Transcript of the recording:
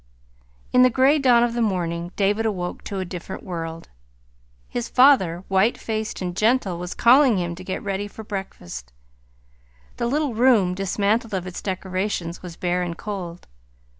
In the gray dawn of the morning David awoke to a different world. His father, white faced and gentle, was calling him to get ready for breakfast. The little room, dismantled of its decorations, was bare and cold.